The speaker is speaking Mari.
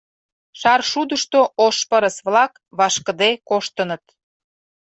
Шаршудышто ош пырыс-влак вашкыде коштыныт.